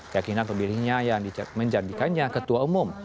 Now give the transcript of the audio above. keyakinan pemilihnya yang menjadikannya ketua umum